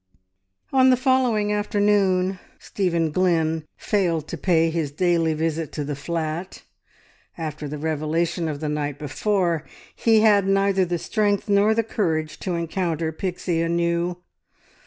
On the following afternoon Stephen Glynn failed to pay his daily visit to the flat. After the revelation of the night before he had neither the strength nor the courage to encounter Pixie anew.